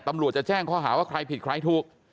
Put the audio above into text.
ตำรวจจะแจ้งข้อหาว่าใครผิดใครถูก